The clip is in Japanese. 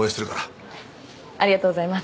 ありがとうございます。